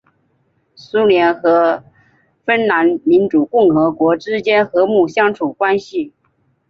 苏联和芬兰民主共和国之间和睦相处关系。